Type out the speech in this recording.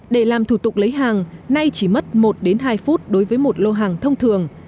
để làm thủ tục lấy hàng nay chỉ mất một hai phút đối với một lô hàng thông thường